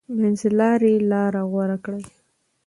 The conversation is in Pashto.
منځلاري لار غوره کړئ.